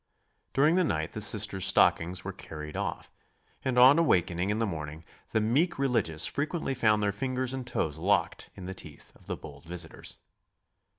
During the night the Sisters' stockings were carried off, and on awakening in the morning the meek religious frequently found their fingers and toes locked in the teeth of the bold visitors.